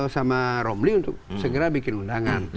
sama romli untuk segera bikin undangan